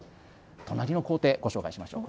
隣の工程、ご紹介しましょう。